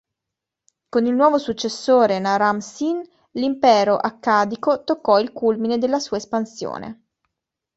Con il nuovo successore Naram-Sin l'impero accadico toccò il culmine della sua espansione.